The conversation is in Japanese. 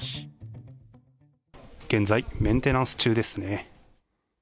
現在、メンテナンス中ですね。